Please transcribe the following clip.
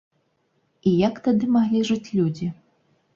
І як тады маглі жыць людзі?